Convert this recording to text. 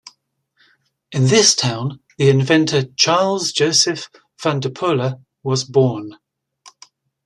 In this town the inventor Charles Joseph Van Depoele was born.